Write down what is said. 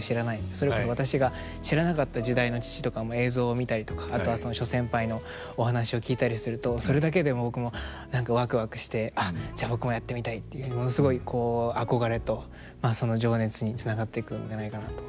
それこそ私が知らなかった時代の父とか映像を見たりとかあとは諸先輩のお話を聞いたりするとそれだけで僕も何かワクワクしてじゃあ僕もやってみたいっていうものすごい憧れとその情熱につながっていくんじゃないかなと。